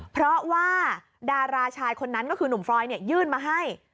เพราะว่าดาราชายคนนั้นก็คือหนุ่มฟรอยยื่นมาให้